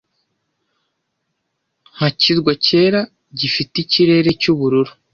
nka kirwa cyera gifite ikirere cyubururu